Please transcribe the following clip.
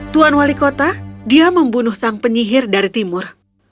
tuan wali kota dia membunuh sang penyihir dari timur